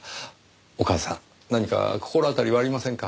お母さん何か心当たりはありませんか？